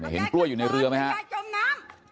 เห็นกล้วยอยู่ในเรือไหมครับ